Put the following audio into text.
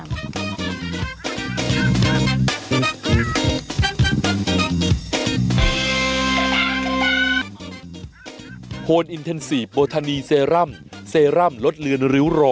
นี่มาหนึ่งที่ไม่เขาบอกบางเลยนะครับ